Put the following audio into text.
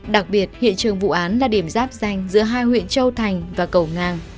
đặc biệt hiện trường vụ án là điểm giáp danh giữa hai huyện châu thành và cầu ngang